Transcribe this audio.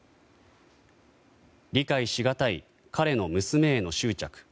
理解しがたい彼の娘への執着。